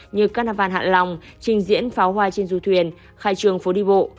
như carnival hạ long trình diễn pháo hoa trên du thuyền khai trường phố đi bộ